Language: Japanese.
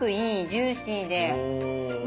ジューシーで。